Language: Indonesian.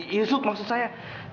ya sup maksud saya